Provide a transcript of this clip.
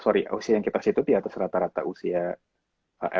sorry usia yang kita set itu di atas rata rata usia